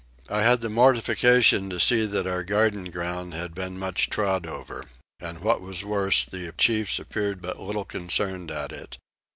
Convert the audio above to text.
I had the mortification to see that our garden ground had been much trod over; and what was worse the chiefs appeared but little concerned at it.